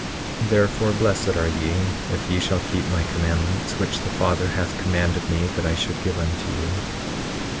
18:14 Therefore blessed are ye if ye shall keep my commandments, which the Father hath commanded me that I should give unto you.